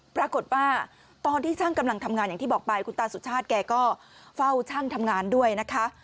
ตอนที่ช่างกำลังทำงานอย่างที่บอกไปคุณตาสุชาติแกก็เฝ้าช่างทำงานด้วยนะคะ